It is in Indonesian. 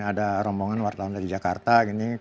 ada rombongan wartawan dari jakarta ini